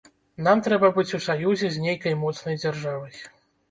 Нам трэба быць у саюзе з нейкай моцнай дзяржавай.